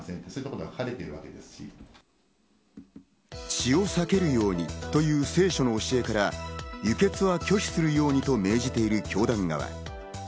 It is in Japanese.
血を避けるようにという聖書の教えから、輸血は拒否するようにと命じている教団側。